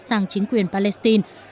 sang chính quyền palestine